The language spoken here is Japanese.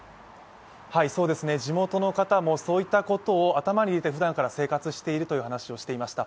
地元の方もそういったことを頭に入れてふだんから生活をしていると話していました。